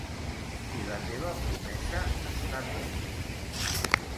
I la teva promesa, està bé?